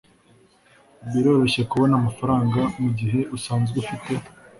biroroshye kubona amafaranga mugihe usanzwe ufite